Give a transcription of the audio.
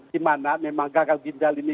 dimana memang gagal jindal ini